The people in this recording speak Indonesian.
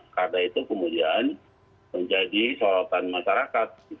karena itu kemudian menjadi sorotan masyarakat